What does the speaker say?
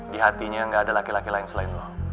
di hatinya gak ada laki laki lain selain lo